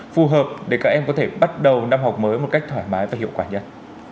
phù hợp để các em có thể bắt đầu năm học mới một cách thoải mái và hiệu quả nhất